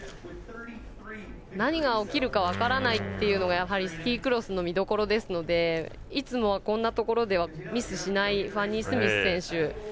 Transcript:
何が起きるか分からないというのがスキークロスの見どころですのでいつもはこんなところではミスしないファニー・スミス選手。